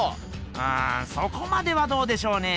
うんそこまではどうでしょうね？